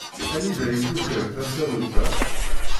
Anida i tufiḍ tasarut-a?